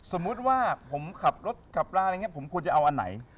สมมุติว่าผมขับรถขับราอะไรอย่างนี้ผมควรจะเอาอันไหน